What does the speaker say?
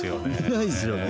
高いですよね。